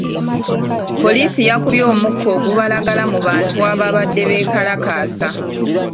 Poliisi yakubye omukka ogubalagala mu bantu abaabadde beekalakaasa.